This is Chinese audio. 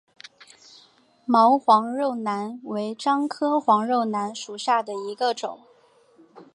毛黄肉楠为樟科黄肉楠属下的一个种。